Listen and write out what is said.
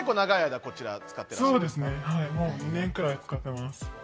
もう２年くらい使っています。